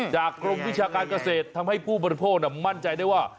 กรมวิชาการเกษตรทำให้ผู้บริโภคมั่นใจได้ว่า